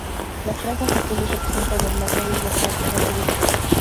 Las franjas azules representan el mar negro y las blancas la pureza.